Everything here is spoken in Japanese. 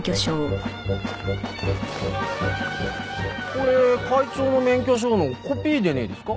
これ会長の免許証のコピーでねえですか？